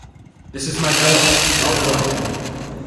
This is my job, not who I am.